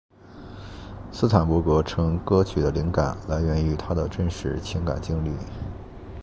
斯坦伯格称歌曲的灵感来源于他的真实情感经历。